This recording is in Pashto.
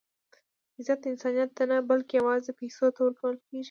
عزت انسانیت ته نه؛ بلکي یوازي پېسو ته ورکول کېږي.